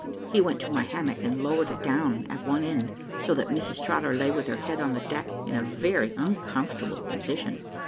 He went to my hammock and lowered it down at one end, so that Mrs Trotter lay with her head on the deck in a very uncomfortable position.